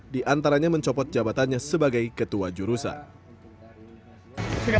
diantaranya mencopot jabatannya sebagai ketua jurusan